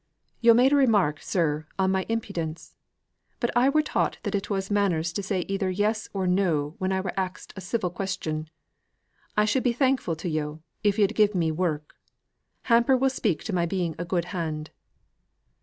"Yo' made a remark, sir, on my impudence' but I were taught that it was manners to say either 'yes' or 'no,' when I were axed a civil question. I should be thankfu' to yo' if yo'd give me work. Hamper will speak to my being a good hand."